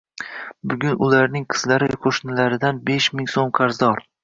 Bugun ularning qizlari qo'shnilaridan besh ming so'm qarzdor